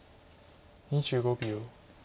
２５秒。